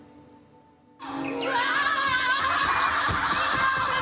・うわ！